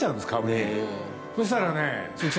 そしたらね。